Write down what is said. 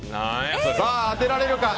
さあ、当てられるか？